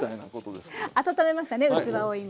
温めましたね器を今。